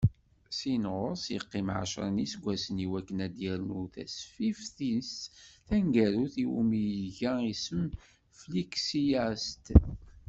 Syin ɣur-s, yeqqim ɛecra n yiseggasen, i wakken ad yernu tasfift-is taneggarut, iwumi iga isem Fliksi-as-d.